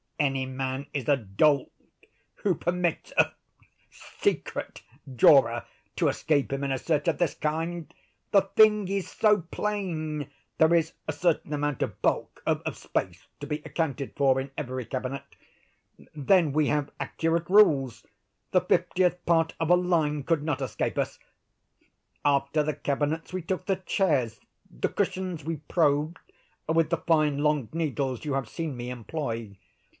Any man is a dolt who permits a 'secret' drawer to escape him in a search of this kind. The thing is so plain. There is a certain amount of bulk—of space—to be accounted for in every cabinet. Then we have accurate rules. The fiftieth part of a line could not escape us. After the cabinets we took the chairs. The cushions we probed with the fine long needles you have seen me employ.